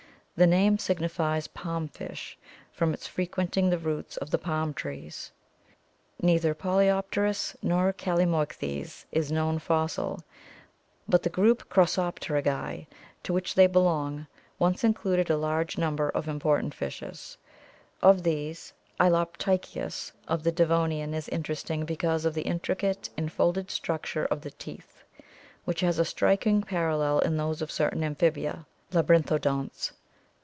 The name signifies palm fish, from its frequenting the roots of the palm trees. Neither Polypterus nor Calamoichthys is known fossil, but the group Crossopterygii to which they belong once included a large number of important fishes. Of these Holoptychius of the Devonian is interesting because of the intricate infolded structure of the teeth, which has a striking parallel in those of certain amphibia (labyrinthodonts).